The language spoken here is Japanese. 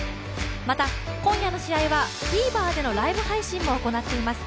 また今夜の試合はＴＶｅｒでのライブ配信も行っています。